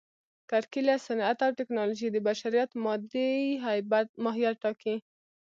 کرکېله، صنعت او ټکنالوژي د بشریت مادي ماهیت ټاکي.